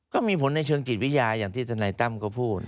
ก็มีผลในเชิงจิตวิทยาอย่างที่ทนายตั้มก็พูด